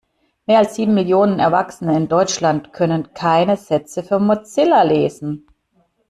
Mehr als sieben Millionen Erwachsene in Deutschland können keine Sätze für Mozilla lesen.